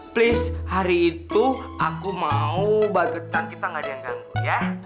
please hari itu aku mau bagetan kita gak ada yang ganggu ya